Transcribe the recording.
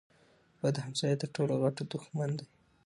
بد همسایه تر ټولو غټ دښمن دی.